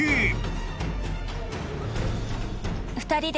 ２人で。